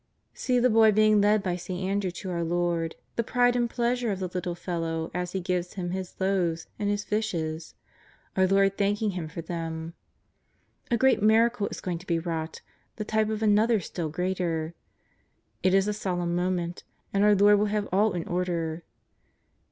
See the boy being led by St. Andrew to our Lord; the pride and pleasure of the little fellow as he gives Him his loaves and his fishes; our Lord thanking him for them. A great miracle is going to be wrought, the type of another still greater. It is a solemn moment, and our Lord will have all in order.